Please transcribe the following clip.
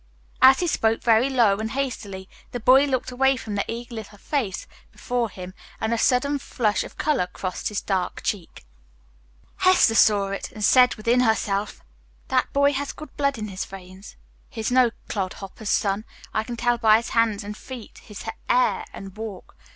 As he spoke very low and hastily, the boy looked away from the eager little face before him, and a sudden flush of color crossed his dark cheek. Hester saw it and said within herself, "That boy has good blood in his veins. He's no clodhopper's son, I can tell by his hands and feet, his air and walk.